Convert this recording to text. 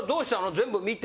全部見て。